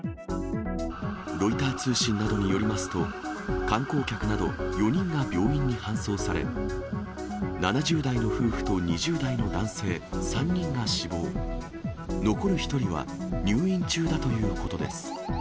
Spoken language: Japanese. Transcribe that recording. ロイター通信などによりますと、観光客など４人が病院に搬送され、７０代の夫婦と２０代の男性３人が死亡、残る１人は入院中だということです。